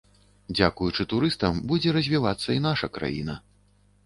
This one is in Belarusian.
Дзякуючы турыстам будзе развівацца і наша краіна.